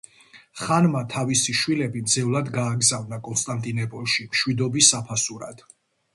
ხანმა თავისი შვილები მძევლად გააგზავნა კონსტანტინოპოლში მშვიდობის საფასურად.